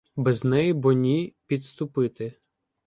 Без неї бо ні підступити